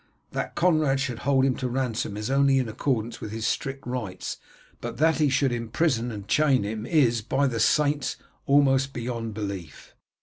That Conrad should hold him to ransom is only in accordance with his strict rights, but that he should imprison and chain him is, by the saints, almost beyond belief."